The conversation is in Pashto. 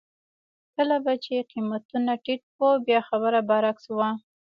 کله به چې قېمتونه ټیټ وو بیا خبره برعکس وه.